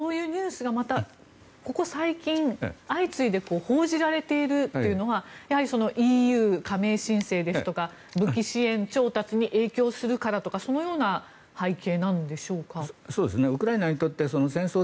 そういうニュースがまたここ最近、相次いで報じられているというのはやはりＥＵ加盟申請ですとか武器支援調達に影響するからとかそのような背景なんでしょうか。